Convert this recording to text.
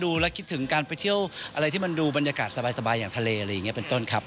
คิดถึงการไปเที่ยวอะไรที่มันดูบรรยากาศสบายอย่างทะเลอะไรอย่างนี้เป็นต้นครับ